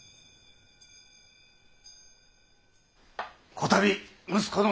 こたび息子の